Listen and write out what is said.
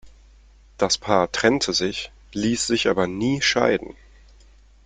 Das Paar trennte sich, ließ sich aber nie scheiden.